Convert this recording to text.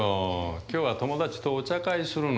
今日は友達とお茶会するの。